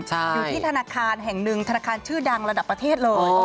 อยู่ที่ธนาคารแห่งหนึ่งธนาคารชื่อดังระดับประเทศเลย